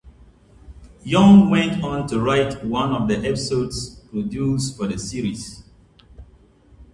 Young went on to write one of the episodes produced for the series.